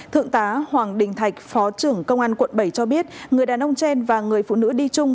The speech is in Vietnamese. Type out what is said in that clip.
thượng tá hoàng đình thạch phó trưởng công an quận bảy cho biết người đàn ông trên và người phụ nữ đi chung